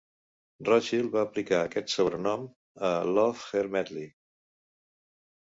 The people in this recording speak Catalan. Rothchild va aplicar aquest sobrenom a "Love Her Madly".